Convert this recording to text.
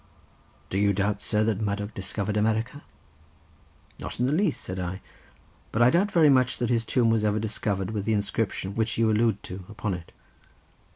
"Do you doubt, sir, that Madoc discovered America?" "Not in the least," said I; "but I doubt very much that his tomb was ever discovered with the inscription which you allude to upon it."